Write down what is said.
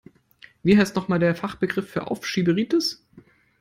Wie heißt noch mal der Fachbegriff für Aufschieberitis?